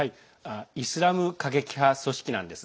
イスラム過激派組織なんです。